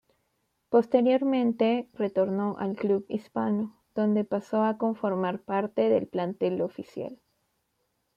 Posteriormente retornó al club hispano, donde pasó a conformar parte del plantel oficial.